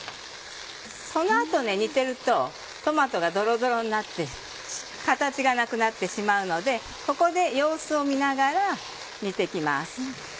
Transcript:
その後煮てるとトマトがドロドロになって形がなくなってしまうのでここで様子を見ながら煮て行きます。